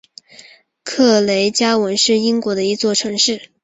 克雷加文是英国的一座城市。